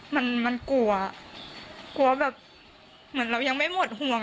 มันมันกลัวกลัวแบบเหมือนเรายังไม่หมดห่วง